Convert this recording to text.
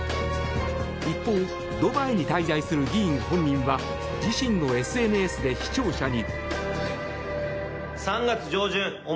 一方、ドバイに滞在する議員本人は自身のＳＮＳで視聴者に。